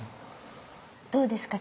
どうですか？